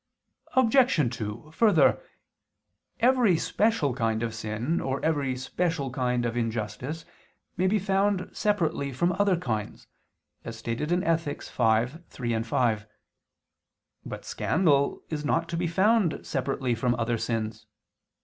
Obj. 2: Further, every special kind of sin, or every special kind of injustice, may be found separately from other kinds, as stated in Ethic. v, 3, 5. But scandal is not to be found separately from other sins.